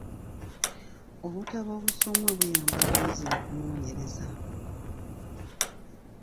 Obutabo obusomwa buyamba abayizi mu kunoonyereza.